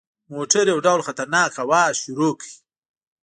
موټر یو ډول خطرناک اواز شروع کړ.